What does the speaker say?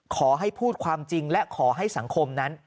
ขอให้พูดความจริงและขอให้สังคมนั้น